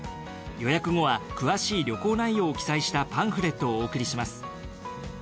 予約後は詳しい旅行内容を記載したパンフレットをお送りします。